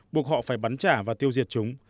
buộc họ phải bắn trả và tiêu diệt chúng